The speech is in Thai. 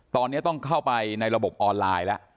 ตอนนี้ต้องเข้าไปในระบบออนไลน์แล้ว